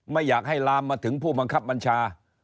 ไม่อยากให้ลามมาถึงผู้บังคับบัญชา